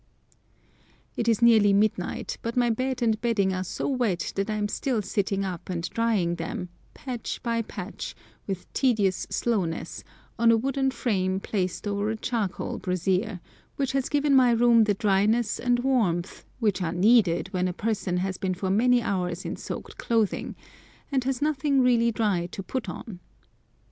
It is nearly midnight, but my bed and bedding are so wet that I am still sitting up and drying them, patch by patch, with tedious slowness, on a wooden frame placed over a charcoal brazier, which has given my room the dryness and warmth which are needed when a person has been for many hours in soaked clothing, and has nothing really dry to put on.